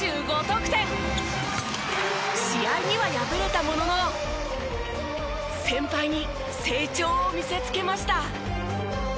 試合には敗れたものの先輩に成長を見せつけました。